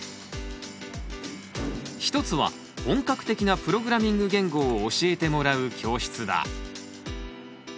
一つは本格的なプログラミング言語を教えてもらう教室だ。